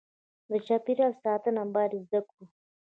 د چاپیریال ساتنه باید زده کړو.